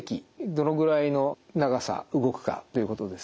どのぐらいの長さ動くかということですね。